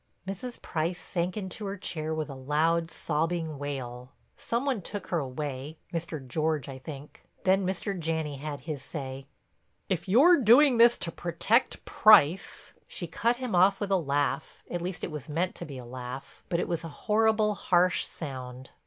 Mrs. Price sank into her chair with a loud, sobbing wail. Some one took her away—Mr. George, I think. Then Mr. Janney had his say: "If you're doing this to protect Price—" She cut him off with a laugh, at least it was meant to be a laugh, but it was a horrible, harsh sound.